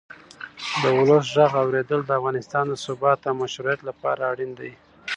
د ولس غږ اورېدل د افغانستان د ثبات او مشروعیت لپاره اړین دی